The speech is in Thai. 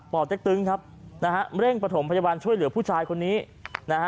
เต็กตึงครับนะฮะเร่งประถมพยาบาลช่วยเหลือผู้ชายคนนี้นะฮะ